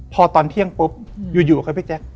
พอตอนเที่ยงปุ๊บอยู่ครับพี่แจ๊ค